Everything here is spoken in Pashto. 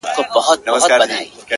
پدرلعنته حادثه ده او څه ستا ياد دی ـ